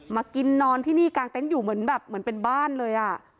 มากินนอนที่นี่กลางเต็นต์อยู่เหมือนแบบเหมือนเป็นบ้านเลยอ่ะ